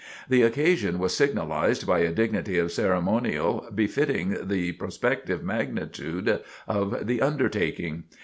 The occasion was signalized by a dignity of ceremonial befitting the prospective magnitude of the undertaking.